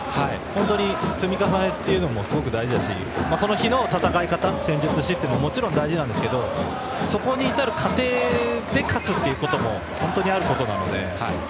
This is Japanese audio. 本当に積み重ねというのもすごく大事だしその日の戦い方戦術、システムももちろん大事なんですけどそこに至る過程で勝つっていうことも本当にあることなので。